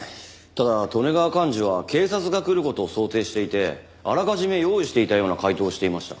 ただ利根川寛二は警察が来る事を想定していてあらかじめ用意していたような回答をしていました。